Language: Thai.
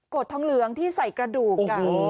ดทองเหลืองที่ใส่กระดูก